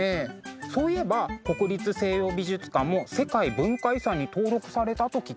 そういえば国立西洋美術館も世界文化遺産に登録されたと聞きました。